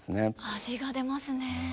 味が出ますね。